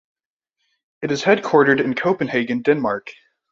It is headquartered in Copenhagen, Denmark.